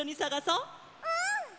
うん！